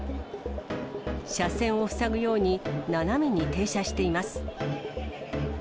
車線を塞ぐように斜めに停車しています。